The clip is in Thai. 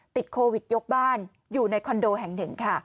ติดโควิดยกบ้านอยู่ในคอนโดแห่งหนึ่งค่ะ